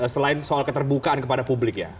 selain soal keterbukaan kepada publik ya